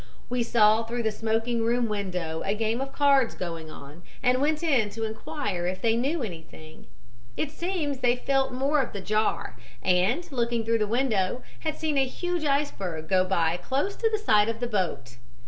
"We saw through the smoking room window a game of cards going on, and went in to inquire if they knew anything; it seems they felt more of the jar, and, looking through the window, had seen a huge iceberg go by close to the side of the boat.